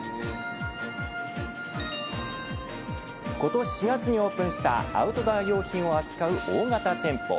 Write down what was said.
ことし４月にオープンしたアウトドア用品を扱う大型店舗。